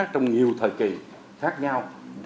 trong nhiều thời kỳ khác nhau